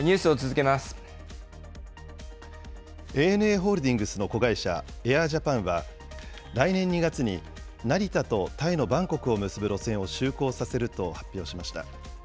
ＡＮＡホールディングスの子会社、エアージャパンは、来年２月に成田とタイのバンコクを結ぶ路線を就航させると発表しました。